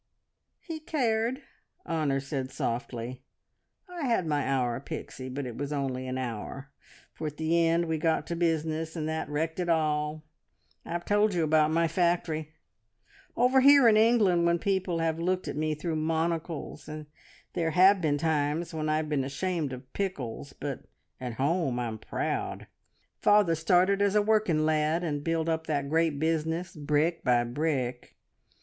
"He cared!" Honor said softly. "I had my hour, Pixie, but it was only an hour, for at the end we got to business, and that wrecked it all. I've told you about my factory. Over here in England, when people have looked at me through monocles, there have been times when I've been ashamed of pickles, but at home I'm proud! Father started as a working lad, and built up that great business, brick by brick.